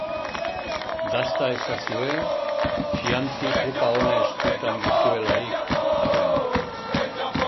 Dasta ezazue chianti kopa ona eskutan duzuelarik, arren.